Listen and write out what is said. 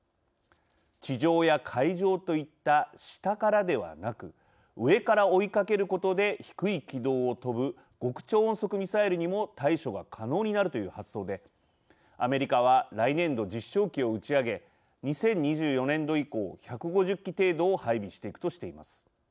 地上や海上といった下からではなく上から追いかけることで低い軌道を飛ぶ極超音速ミサイルにも対処が可能になるという発想でアメリカは来年度、実証機を打ち上げ２０２４年度以降１５０基程度を配備していくとしています。